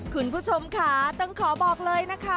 คุณผู้ชมค่ะต้องขอบอกเลยนะคะ